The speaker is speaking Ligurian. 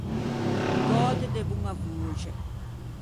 O göde de boña voxe.